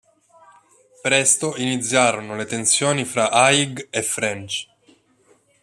Presto iniziarono le tensioni fra Haig e French.